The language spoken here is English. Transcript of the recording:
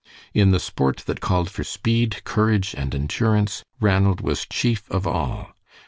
In the sport that called for speed, courage, and endurance Ranald was chief of all.